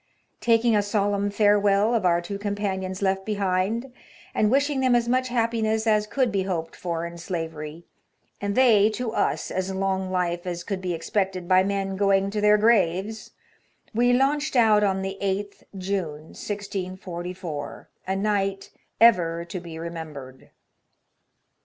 " Taking a solemn farewell of our two companions left behind, and wishing them as much happiness as could be hoped for in slavery, and they to us as long life as could be expected by men going to their graves, we launched out on the 80th June, 1644, a night ever to be remembered."